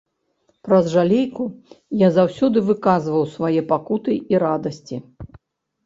Праз жалейку я заўсёды выказваў свае пакуты і радасці.